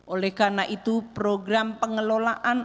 oleh karena itu program pengelolaan